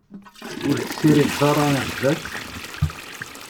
Ur tessirid ara iqbac